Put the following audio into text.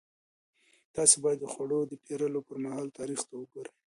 تاسو باید د خوړو د پېرلو پر مهال تاریخ ته وګورئ.